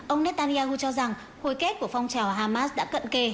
ông netanyahu cho rằng hồi kết của phong trào hamas đã cận kề